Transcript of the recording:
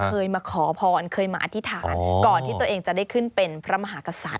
เคยมาขอพรเคยมาอธิษฐานก่อนที่ตัวเองจะได้ขึ้นเป็นพระมหากษัตริย